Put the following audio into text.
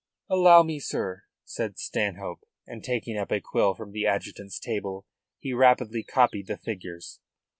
"Allow me, sir," said Stanhope, and taking up a quill from the adjutant's table he rapidly copied the figures.